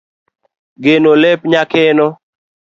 geno lep nyakeno